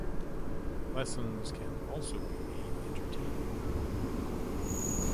Lessons can also be made entertaining.